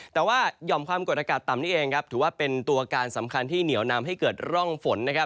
แต่ว่าหย่อมความกดอากาศต่ำนี่เองครับถือว่าเป็นตัวการสำคัญที่เหนียวนำให้เกิดร่องฝนนะครับ